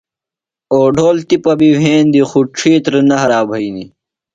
اوڈھول تِپہ بی وھیندی خو ڇِھیتر نہ ہرائی بھینی۔